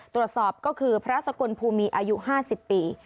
ตรวจสอบก็คือพระสกลภูมีอายุ๕๐ปี